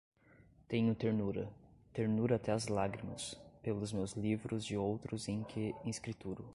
Tenho ternura, ternura até às lágrimas, pelos meus livros de outros em que escrituro